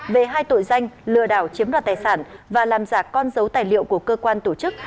về hai tội danh lừa đảo chiếm đoạt tài sản và làm giả con dấu tài liệu của cơ quan tổ chức